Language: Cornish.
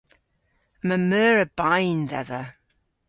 Yma meur a bayn dhedha.